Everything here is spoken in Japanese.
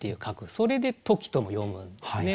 それで「トキ」とも読むんですね。